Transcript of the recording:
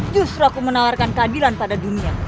justru aku menawarkan keadilan pada dunia